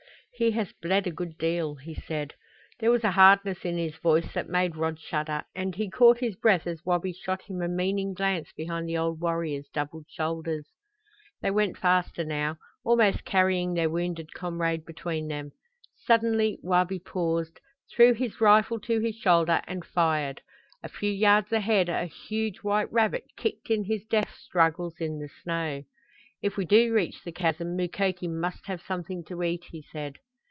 "He has bled a good deal," he said. There was a hardness in his voice that made Rod shudder, and he caught his breath as Wabi shot him a meaning glance behind the old warrior's doubled shoulders. They went faster now, almost carrying their wounded comrade between them. Suddenly, Wabi paused, threw his rifle to his shoulder, and fired. A few yards ahead a huge white rabbit kicked in his death struggles in the snow. "If we do reach the chasm Mukoki must have something to eat," he said.